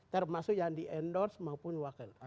termasuk yang di endorse maupun wakil